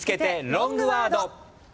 ロングワード。